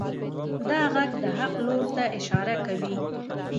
دا غږ د حق لور ته اشاره کوي.